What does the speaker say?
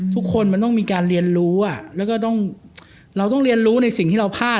ทุกคนมันต้องมีการเรียนรู้แล้วก็ต้องเราต้องเรียนรู้ในสิ่งที่เราพลาด